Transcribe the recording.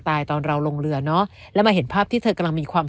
ตอนเราลงเรือเนอะแล้วมาเห็นภาพที่เธอกำลังมีความ